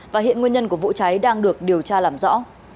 và hiện nguyên nhân của vụ cháy đang được điều tra làm rõ